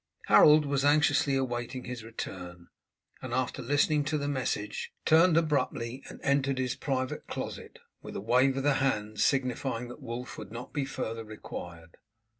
Harold was anxiously awaiting his return, and after listening to the message turned abruptly and entered his private closet, with a wave of the hand signifying that Wulf would not be further required.